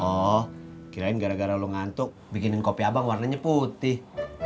oh kirain gara gara lo ngantuk bikinin kopi abang warnanya putih